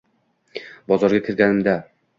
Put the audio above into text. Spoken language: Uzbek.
Bozorga kirganimizda